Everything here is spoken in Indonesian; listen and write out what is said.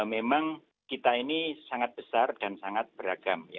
memang kita ini sangat besar dan sangat beragam